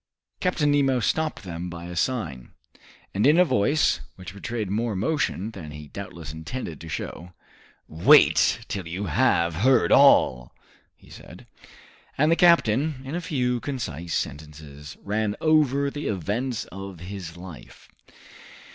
Captain Nemo stopped them by a sign, and in a voice which betrayed more emotion than he doubtless intended to show. "Wait till you have heard all," he said. And the captain, in a few concise sentences, ran over the events of his life.